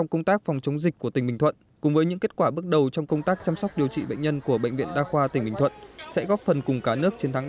nhân viên y tế bệnh viện đa khoa tỉnh bình thuận